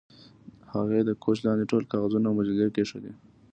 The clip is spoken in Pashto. هغې د کوچ لاندې ټول کاغذونه او مجلې کیښودې